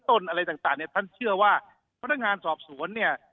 อะไรต่างเนี่ยท่านเชื่อว่าพนักงานสอบสวนเนี่ย